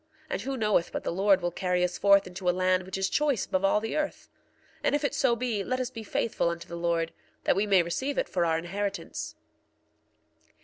And who knoweth but the Lord will carry us forth into a land which is choice above all the earth? And if it so be, let us be faithful unto the Lord, that we may receive it for our inheritance.